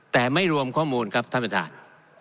แต่ไม่รวมข้อมูลครับท่านประธาน